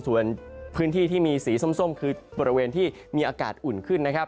ส่วนพื้นที่ที่มีสีส้มคือบริเวณที่มีอากาศอุ่นขึ้นนะครับ